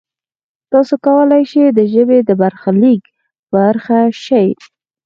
تاسو کولای شئ د ژبې د برخلیک برخه شئ.